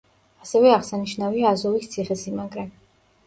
ასევე აღსანიშნავია აზოვის ციხესიმაგრე.